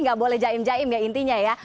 enggak boleh jahim jahim ya intinya ya